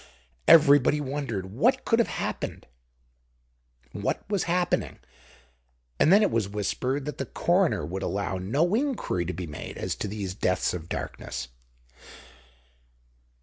Everybody wondered what could have happened, what was happening; and then it was whispered that the coroner would allow no inquiry to be made as to these deaths of darkness.